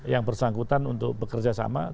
yang bersangkutan untuk bekerjasama